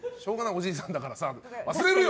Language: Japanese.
おじいさんだからさ忘れるよ！